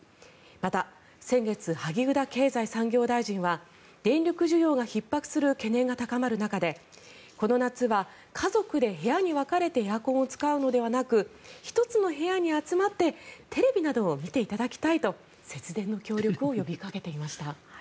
また、先月萩生田経済産業大臣は電力需要がひっ迫する懸念が高まる中でこの夏は家族で部屋に分かれてエアコンを使うのではなく１つの部屋に集まってテレビなどを見ていただきたいと節電の協力を呼びかけていました。